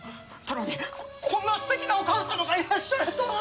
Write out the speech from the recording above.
タロウにこんなすてきなお母様がいらっしゃるとは！